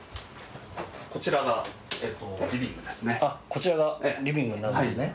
こちらがリビングになるんですね。